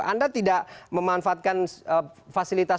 anda tidak memanfaatkan fasilitas